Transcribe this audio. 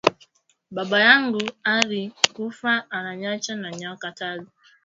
Baba yangu ari kufa ana nyacha na myaka tatu